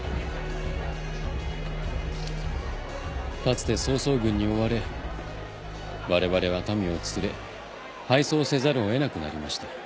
かつて曹操軍に追われわれわれは民を連れ敗走せざるを得なくなりました。